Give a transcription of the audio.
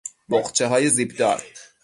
بقچه های زیپ دار